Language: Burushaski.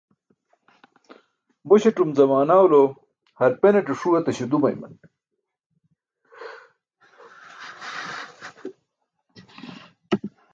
Muśatum zamaanwalo harpanate ṣuu etáśo dumayman.